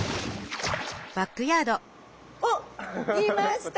おっいました。